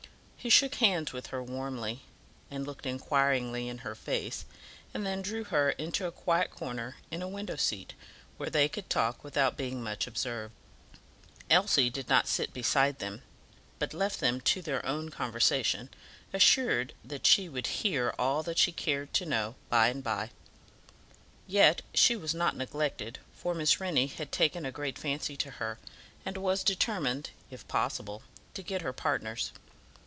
He shook hands with her warmly, and looked inquiringly in her face, and then drew her into a quiet corner in a window seat, where they could talk without being much observed. Elsie did not sit beside them, but left them to their own conversation, assured that she would hear all that she cared to know by and by; yet she was not neglected, for Miss Rennie had taken a great fancy to her, and was determined, if possible, to get her partners.